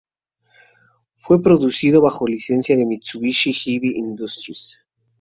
Fue producido bajo licencia por Mitsubishi Heavy Industries.